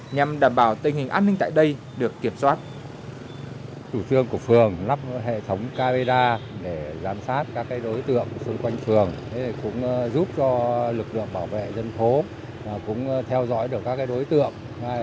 nhằm đảm bảo tình hình an ninh tại đây